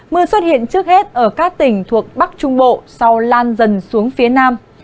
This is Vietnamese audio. mưa xuất hiện trước hết ở các tỉnh thuộc bắc trung bộ sau lan dần xuống phía nam